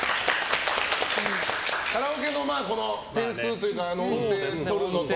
カラオケの点数というか音程を取るのと。